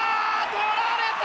捕られた！